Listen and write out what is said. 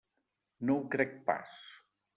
No ho crec pas.